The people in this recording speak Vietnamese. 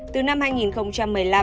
từ năm hai nghìn một mươi năm